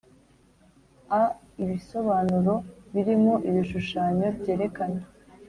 A ibisobanuro birimo ibishushanyo byerekana